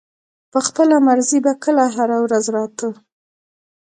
پۀ خپله مرضۍ به کله هره ورځ راتۀ